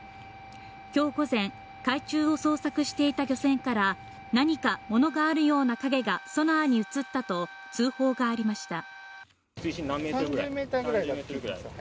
今日午前、海中を捜索していた漁船から、何か物があるような影がソナーに映ったと通報がありました。